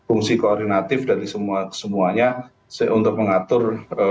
alternatif dari semua semuanya untuk mengatur